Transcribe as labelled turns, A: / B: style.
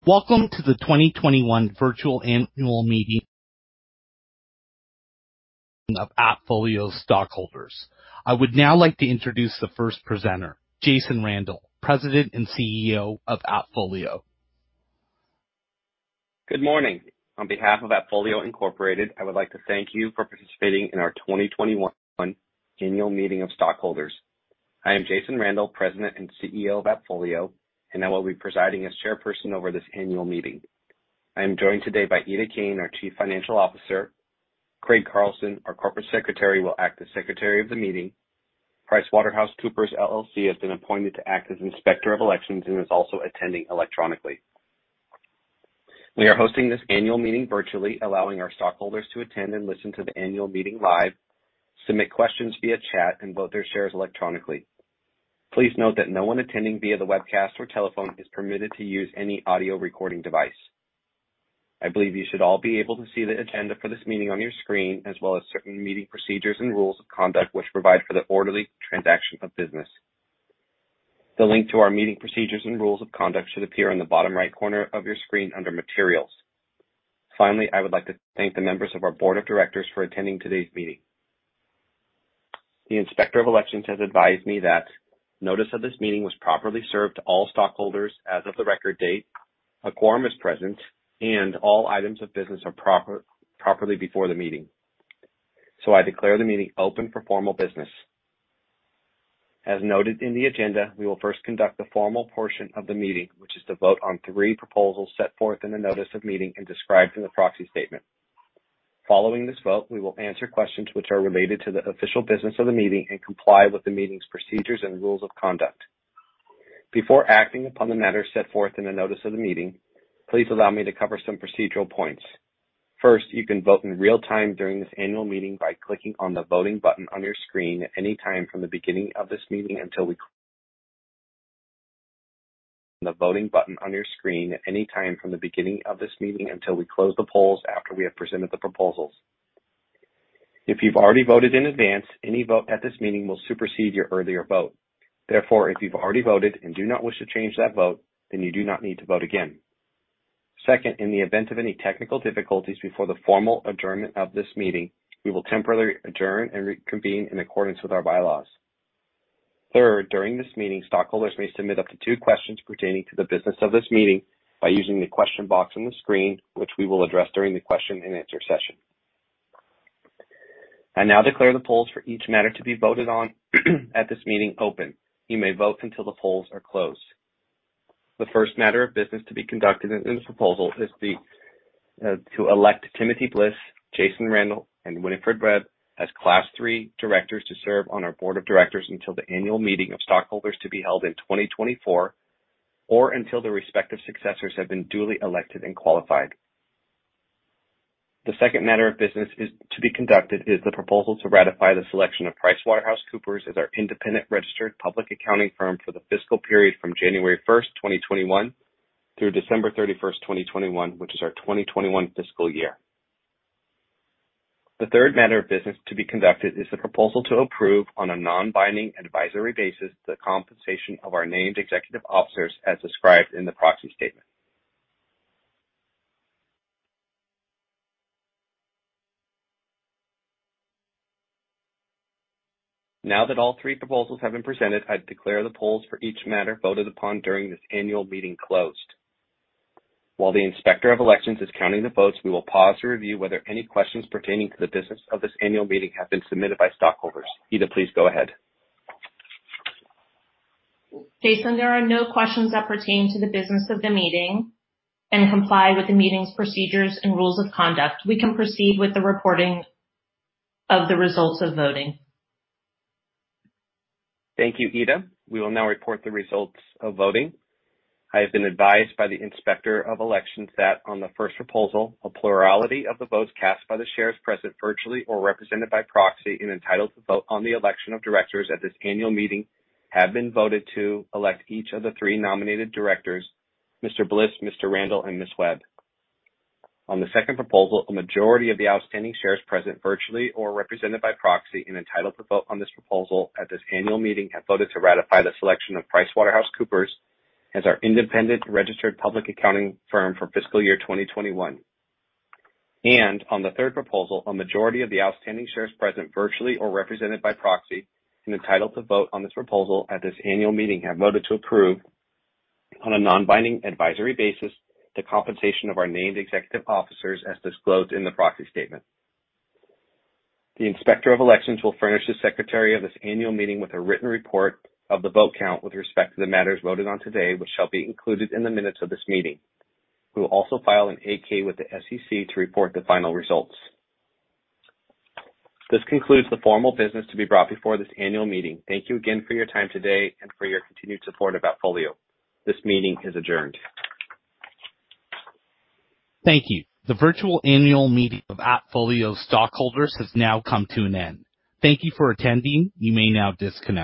A: Welcome to the 2021 virtual annual meeting of AppFolio stockholders. I would now like to introduce the first presenter, Jason Randall, President and CEO of AppFolio.
B: Good morning. On behalf of AppFolio, Inc., I would like to thank you for participating in our 2021 annual meeting of stockholders. I am Jason Randall, President and CEO of AppFolio, and I will be presiding as chairperson over this annual meeting. I'm joined today by Ida Kane, our Chief Financial Officer. Craig Carlson, our Corporate Secretary, will act as Secretary of the meeting. PricewaterhouseCoopers LLP has been appointed to act as Inspector of Elections and is also attending electronically. We are hosting this annual meeting virtually, allowing our stockholders to attend and listen to the annual meeting live, submit questions via chat, and vote their shares electronically. Please note that no one attending via the webcast or telephone is permitted to use any audio recording device. I believe you should all be able to see the agenda for this meeting on your screen, as well as certain meeting procedures and rules of conduct which provide for the orderly transaction of business. The link to our meeting procedures and rules of conduct should appear on the bottom right corner of your screen under Materials. I would like to thank the members of our board of directors for attending today's meeting. The Inspector of Elections has advised me that notice of this meeting was properly served to all stockholders as of the record date, a quorum is present, and all items of business are properly before the meeting. I declare the meeting open for formal business. As noted in the agenda, we will first conduct the formal portion of the meeting, which is to vote on three proposals set forth in the notice of meeting and described in the proxy statement. Following this vote, we will answer questions which are related to the official business of the meeting and comply with the meeting's procedures and rules of conduct. Before acting upon the matter set forth in the notice of the meeting, please allow me to cover some procedural points. First, you can vote in real-time during this annual meeting by clicking on the voting button on your screen at any time from the beginning of this meeting until we close the polls after we have presented the proposals. If you've already voted in advance, any vote at this meeting will supersede your earlier vote. Therefore, if you've already voted and do not wish to change that vote, then you do not need to vote again. Second, in the event of any technical difficulties before the formal adjournment of this meeting, we will temporarily adjourn and reconvene in accordance with our bylaws. Third, during this meeting, stockholders may submit up to two questions pertaining to the business of this meeting by using the question box on the screen, which we will address during the question and answer session. I now declare the polls for each matter to be voted on at this meeting open. You may vote until the polls are closed. The first matter of business to be conducted in this proposal is to elect Timothy Bliss, Jason Randall, and Winifred Webb as Class III directors to serve on our board of directors until the annual meeting of stockholders to be held in 2024 or until their respective successors have been duly elected and qualified. The second matter of business to be conducted is the proposal to ratify the selection of PricewaterhouseCoopers as our independent registered public accounting firm for the fiscal period from January 1st, 2021 through December 31st, 2021, which is our 2021 fiscal year. The third matter of business to be conducted is the proposal to approve on a non-binding advisory basis the compensation of our named executive officers as described in the proxy statement. Now that all three proposals have been presented, I declare the polls for each matter voted upon during this annual meeting closed. While the Inspector of Elections is counting the votes, we will pause to review whether any questions pertaining to the business of this annual meeting have been submitted by stockholders. Ida, please go ahead.
C: Jason, there are no questions that pertain to the business of the meeting and comply with the meeting's procedures and rules of conduct. We can proceed with the reporting of the results of voting.
B: Thank you, Ida. We will now report the results of voting. I have been advised by the Inspector of Elections that on the first proposal, a plurality of the votes cast by the shares present virtually or represented by proxy and entitled to vote on the election of directors at this annual meeting have been voted to elect each of the three nominated directors, Mr. Bliss, Mr. Randall, and Ms. Webb. On the second proposal, a majority of the outstanding shares present virtually or represented by proxy and entitled to vote on this proposal at this annual meeting have voted to ratify the selection of PricewaterhouseCoopers as our independent registered public accounting firm for fiscal year 2021. On the third proposal, a majority of the outstanding shares present virtually or represented by proxy and entitled to vote on this proposal at this annual meeting have voted to approve on a non-binding advisory basis the compensation of our named executive officers as disclosed in the proxy statement. The Inspector of Elections will furnish the Secretary of this annual meeting with a written report of the vote count with respect to the matters voted on today, which shall be included in the minutes of this meeting. We will also file an 8-K with the SEC to report the final results. This concludes the formal business to be brought before this annual meeting. Thank you again for your time today and for your continued support of AppFolio. This meeting is adjourned.
A: Thank you. The virtual annual meeting of AppFolio stockholders has now come to an end. Thank you for attending. You may now disconnect.